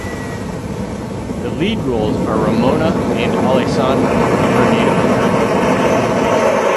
The lead roles are Ramona and Alessandro, her Native American lover.